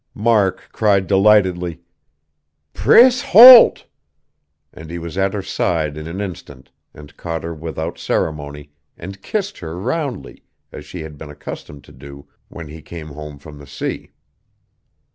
Mark cried delightedly: "Priss Holt!" And he was at her side in an instant, and caught her without ceremony, and kissed her roundly, as he had been accustomed to do when he came home from the sea.